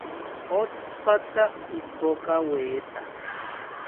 Otsipata ipokaweta